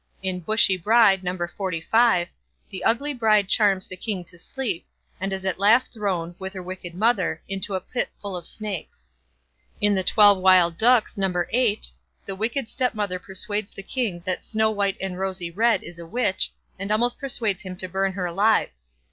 In "Bushy Bride", No. xlv, the ugly bride charms the king to sleep, and is at last thrown, with her wicked mother, into a pit full of snakes. In the "Twelve Wild Ducks", No. viii, the wicked stepmother persuades the king that Snow white and Rosy red is a witch, and almost persuades him to burn her alive.